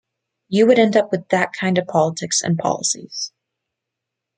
You would end up with that kind of politics and policies.